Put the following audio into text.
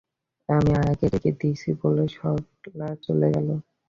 আমি আয়াকে ডেকে দিচ্ছি বলে সরলা চলে গেল।